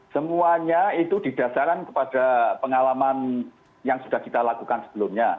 semuanya itu didasarkan kepada pengalaman yang sudah kita lakukan sebelumnya